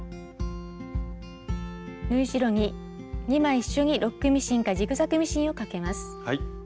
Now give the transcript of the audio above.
縫い代に２枚一緒にロックミシンかジグザグミシンをかけます。